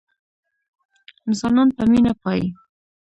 انسانان په مينه پايي